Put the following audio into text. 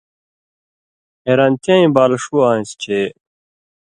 حېرانتیائیں بال ݜُو آن٘سیۡ چےۡ